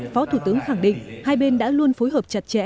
phó thủ tướng khẳng định hai bên đã luôn phối hợp chặt chẽ